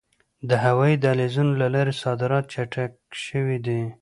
د هوایي دهلیزونو له لارې صادرات چټک شوي دي.